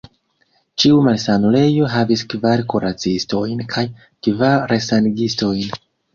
Ĉiu malsanulejo havis kvar kuracistojn kaj kvar resanigistojn.